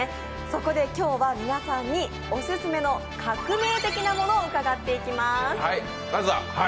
そこで今日は皆さんにオススメの革命的なものを伺っていきます。